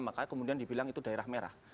makanya kemudian dibilang itu daerah merah